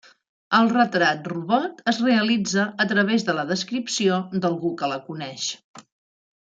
El retrat robot es realitza a través de la descripció d'algú que la coneix.